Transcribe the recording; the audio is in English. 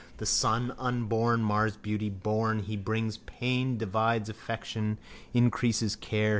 The son unborn mars beauty: born, he brings pain, divides affection, increases care.